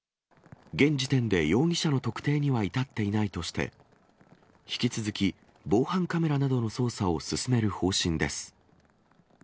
現時点で容疑者の特定には至っていないとして、引き続き、防犯カメラなどの捜査を進める方